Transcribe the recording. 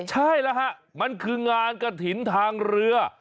ใช่แล้วฮะมันคืองานกระถิ่นทางเรือ